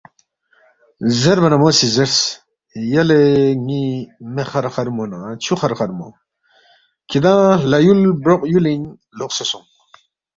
زیربا نہ مو سی زیرس، یلے ن٘ی مے خرخرمو نہ چھُو خرخرمو، کِھدانگ ہلا یول بروق یُولِنگ لوقسے سونگ